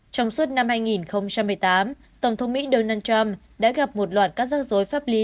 trong suốt năm hai nghìn một mươi tám tổng thống mỹ donald trump đã gặp một loạt các rắc rối pháp lý